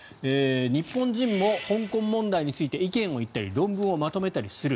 日本人も香港問題について意見を言ったり論文をまとめたりする。